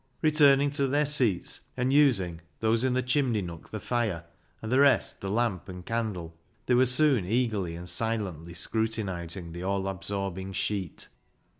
Returning to their seats, and using, those in the chimney nook the fire, and the rest the lamp and candle, they were soon eagerly and silently scrutinising the all absorbing sheet.